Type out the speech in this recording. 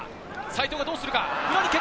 齋藤はどうするか？